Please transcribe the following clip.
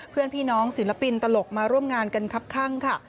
เพื่อนพี่น้องศิลปินตลกมาร่วมงานกันครับข้างค่ะ